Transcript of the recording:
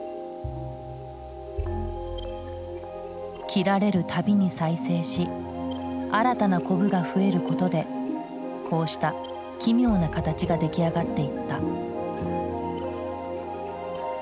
切られるたびに再生し新たなコブが増えることでこうした奇妙な形が出来上がっていった。